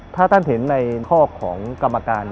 ถ้าท่านเห็นในข้อของกรรมการ